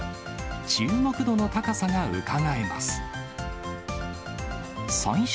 注目度の高さがうかがえます。